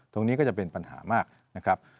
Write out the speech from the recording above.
ตรงนี้ก็จะเป็นปัญหามากนะครับ